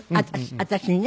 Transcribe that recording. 私にね。